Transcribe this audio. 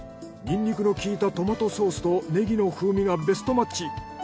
にんにくの効いたトマトソースとねぎの風味がベストマッチ。